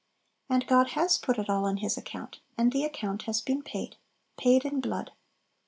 And God has put it all on His account and the account has been paid, paid in blood.